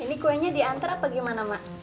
ini kuenya diantar apa gimana mak